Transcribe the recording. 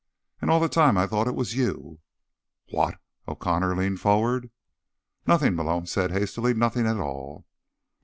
"And all the time I thought it was you." "What?" O'Connor leaned forward. "Nothing," Malone said hastily. "Nothing at all."